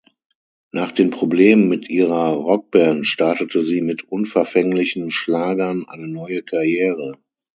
Nach den Problemen mit ihrer Rockband startete sie mit unverfänglichen Schlagern eine neue Karriere.